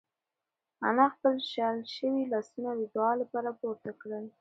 انا خپل شل شوي لاسونه د دعا لپاره پورته کړل.